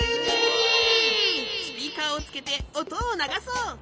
スピーカーをつけておとをながそう！